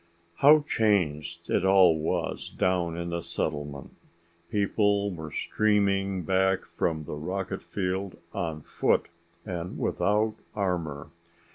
How changed it all was down in the settlement! People were streaming back from the rocket field on foot and without armor.